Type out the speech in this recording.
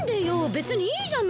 べつにいいじゃない。